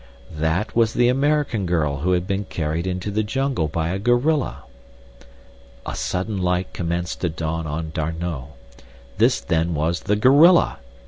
That was the American girl who had been carried into the jungle by a gorilla. A sudden light commenced to dawn on D'Arnot—this then was the "gorilla."